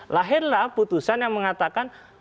lahirlah putusan yang mengatakan